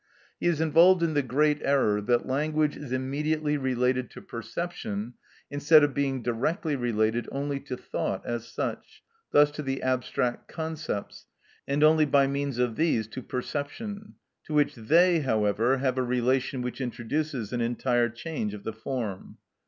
He is involved in the great error that language is immediately related to perception, instead of being directly related only to thought as such, thus to the abstract concepts, and only by means of these to perception, to which they, however, have a relation which introduces an entire change of the form.